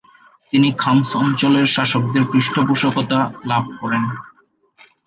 তিনি খাম্স অঞ্চলের শাসকদের পৃষ্ঠপোষকতা লাভ করেন।